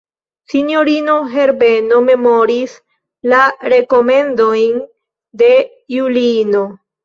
Sinjorino Herbeno memoris la rekomendojn de Juliino.